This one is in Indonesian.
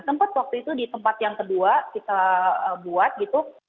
sempat waktu itu di tempat yang kedua kita buat gitu